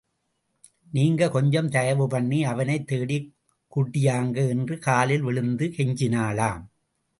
நீங்க கொஞ்சம் தயவு பண்ணி அவனைத் தேடிக் கூட்டியாங்க. என்று காலில் விழுந்து கெஞ்சினாளாம்.